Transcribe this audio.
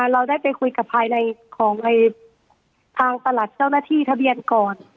เราได้ไปคุยกับภายในของทางประหลัดเจ้าหน้าที่ทะเบียนก่อน